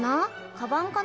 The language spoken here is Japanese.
カバンかな？